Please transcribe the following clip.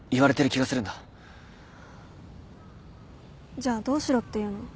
じゃあどうしろっていうの？